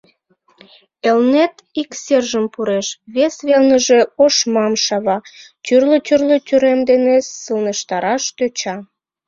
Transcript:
Элнет ик сержым пуреш, вес велныже ошмам шава, тӱрлӧ-тӱрлӧ тӱрем дене сылнештараш тӧча.